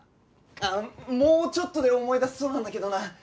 ああもうちょっとで思い出せそうなんだけどな。